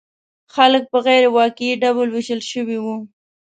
خلک په غیر واقعي ډلو ویشل شوي وو.